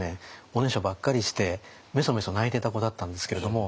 おねしょばっかりしてめそめそ泣いてた子だったんですけれども。